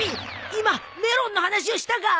今メロンの話をしたか？